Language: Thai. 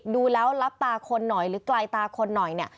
ดูแล้วลับตาคนหน่อยหรือกลายตาคนหน่อย